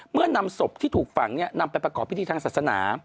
นำศพที่ถูกฝังนำไปประกอบพิธีทางศาสนา